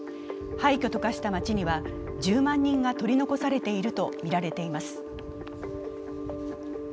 廃虚と化した街には１０万人が取り残されているとみられています。